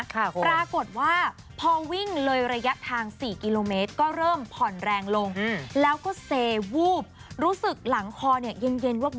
ปรากฏว่าพอวิ่งเลยระยะทาง๔กิโลเมตรก็เริ่มผ่อนแรงลงแล้วก็เซวูบรู้สึกหลังคอเนี่ยเย็นว่า